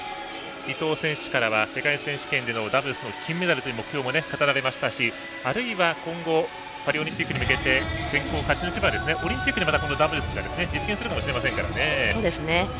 伊藤選手からは世界選手権のダブルスの金メダルという目標が語られましたし、あるいは今後パリオリンピックに向けて選考を勝ち抜けばオリンピックでまたこのダブルスが実現するかもしれませんからね。